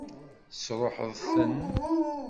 Tesṛuḥeḍ-ten?